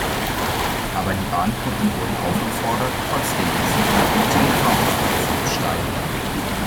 Aber die Bahnkunden wurden aufgefordert, trotzdem den Zug mit gültigem Fahrausweis zu besteigen.